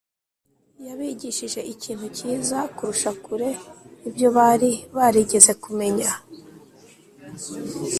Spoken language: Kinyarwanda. yabigishije ikintu cyiza kurusha kure ibyo bari barigeze kumenya